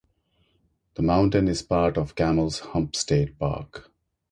The mountain is part of Camel's Hump State Park.